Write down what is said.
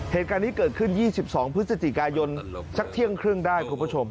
เหตุการณ์นี้เกิดขึ้น๒๒พฤศจิกายนสักเที่ยงครึ่งได้คุณผู้ชม